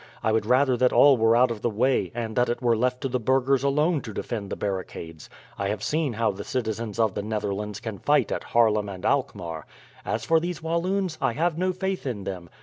I would rather that all were out of the way, and that it were left to the burghers alone to defend the barricades. I have seen how the citizens of the Netherlands can fight at Haarlem and Alkmaar. As for these Walloons, I have no faith in them.